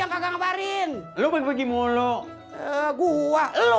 yang dayanya haben consequence inwei